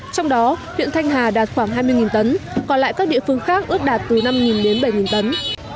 trong đó huyện thanh hà đạt khoảng hai mươi tấn còn lại các địa phương khác ước đạt từ năm đến bảy tấn